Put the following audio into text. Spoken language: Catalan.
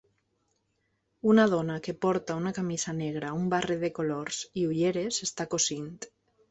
Una dona que porta una camisa negra, un barret de colors i ulleres està cosint.